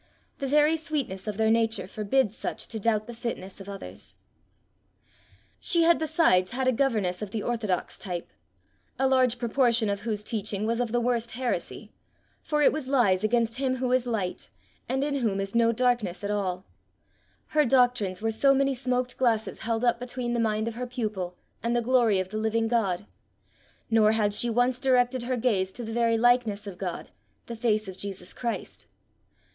The very sweetness of their nature forbids such to doubt the fitness of others. She had besides had a governess of the orthodox type, a large proportion of whose teaching was of the worst heresy, for it was lies against him who is light, and in whom is no darkness at all; her doctrines were so many smoked glasses held up between the mind of her pupil and the glory of the living God; nor had she once directed her gaze to the very likeness of God, the face of Jesus Christ.